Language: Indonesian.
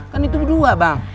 kan itu berdua bang